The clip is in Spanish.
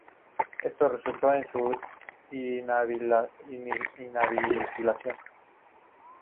Esto resultó en su inhabilitación.